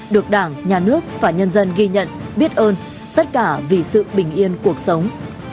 được đảng nhà nước và nhân dân ghi nhận biết ơn tất cả vì sự bình yên cuộc sống